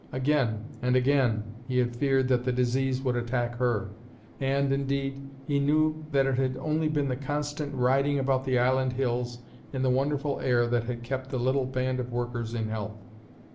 Again and again he had feared that the disease would attack her, and, indeed, he knew that it had only been the constant riding about the island hills in the wonderful air that had kept the little band of workers in health.